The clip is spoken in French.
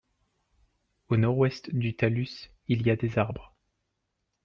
Au nord-ouest du talus il y a des arbres.